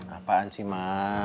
apaan sih ma